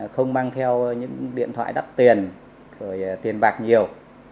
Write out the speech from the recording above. không mang theo những điện thoại đắp tiền tiền bạc nhiều